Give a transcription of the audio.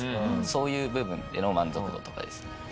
そういう部分への満足度とかですね。